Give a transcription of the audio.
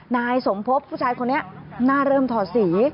นายสมพบผู้ชายคนนี้หน้าเริ่มถอดสี